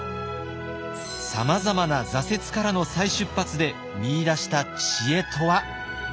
さまざまな挫折からの再出発で見いだした知恵とは？